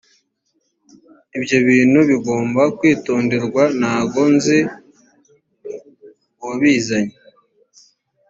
ibyo bintu bigomba kwitonderwa ntago nzi uwabizanye